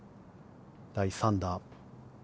第３打。